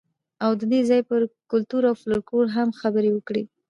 او د دې ځای پر کلتور او فولکلور هم خبرې وکړئ.